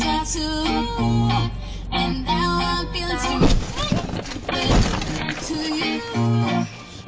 วิธีหนักเบียร์คือวิธียงไม้